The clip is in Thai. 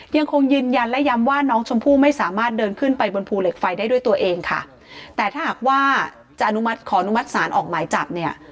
ยังคงยืนยันและย้ำว่าน้องชมพู่ไม่สามารถเดินขึ้นไปบนภูเหล็กไฟได้ด้วยตัวเองค่ะแต่ถ้าหากว่าจะอนุมัติขอนุมัติศาลออกหมายจับเนี่ย